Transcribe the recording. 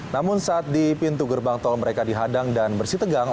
namun saat di pintu gerbang tol mereka dihadang dan bersih tegang